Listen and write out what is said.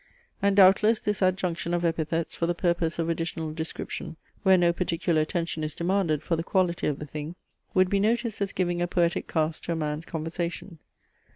And, doubtless, this adjunction of epithets for the purpose of additional description, where no particular attention is demanded for the quality of the thing, would be noticed as giving a poetic cast to a man's conversation.